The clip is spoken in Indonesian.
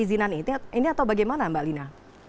ini atau bagaimana mbak lina